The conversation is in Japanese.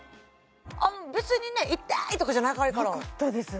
別にね痛いとかじゃないからなかったです